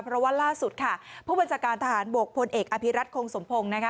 เพราะว่าล่าสุดค่ะผู้บัญชาการทหารบกพลเอกอภิรัตคงสมพงศ์นะคะ